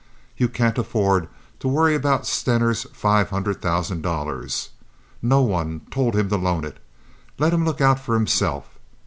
You can't afford to worry about Stener's five hundred thousand dollars. No one told him to loan it. Let him look out for himself.